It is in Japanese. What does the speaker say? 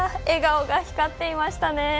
笑顔が光っていましたね。